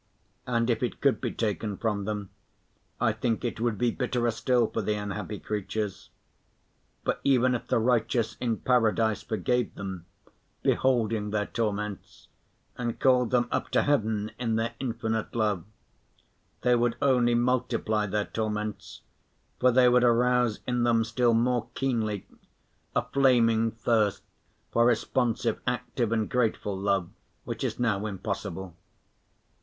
And if it could be taken from them, I think it would be bitterer still for the unhappy creatures. For even if the righteous in Paradise forgave them, beholding their torments, and called them up to heaven in their infinite love, they would only multiply their torments, for they would arouse in them still more keenly a flaming thirst for responsive, active and grateful love which is now impossible.